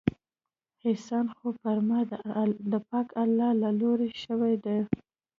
احسان خو پر ما د پاک الله له لورې شوى دى.